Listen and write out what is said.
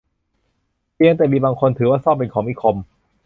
เพียงแค่มีบางคนถือว่าส้อมเป็นของมีคม